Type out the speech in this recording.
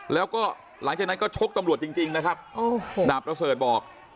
แล้วก็หลังจากนั้นก็ชกตำรวจจริงจริงนะครับโอ้โหดับแล้วเสิร์ฟบอก